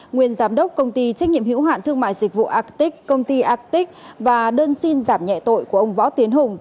nguyên giám đốc công ty trách nhiệm hữu hạn thương mại dịch vụ arctic công ty arctic và đơn xin giảm nhẹ tội của ông võ tuyến hùng